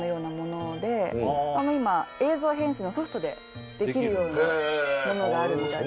今映像編集のソフトでできるようなものがあるみたいなんですよね。